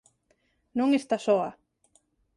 Non está soa.